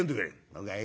「そうかい。